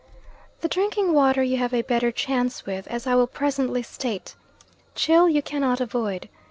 The drinking water you have a better chance with, as I will presently state; chill you cannot avoid.